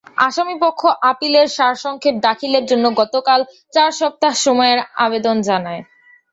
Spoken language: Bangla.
আসামিপক্ষ আপিলের সারসংক্ষেপ দাখিলের জন্য গতকাল চার সপ্তাহ সময়ের আবেদন জানায়।